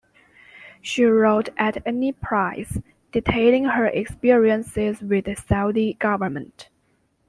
She wrote "At Any Price", detailing her experiences with the Saudi government.